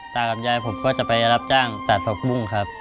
กับยายผมก็จะไปรับจ้างตัดผักบุ้งครับ